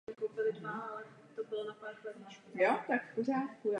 Odtud ji nacisté přemístili do Lipska.